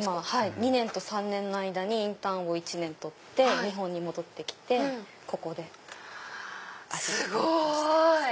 ２年と３年の間にインターンを１年取って日本に戻ってきてここでアシスタントをしてます。